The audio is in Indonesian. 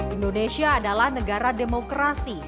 indonesia adalah negara demokrasi